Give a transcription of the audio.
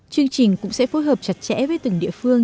chương trình cũng sẽ phối hợp chặt chẽ với từng địa phương